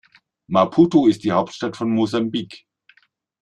Maputo ist die Hauptstadt von Mosambik.